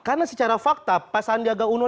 karena secara fakta pak sandiaga uno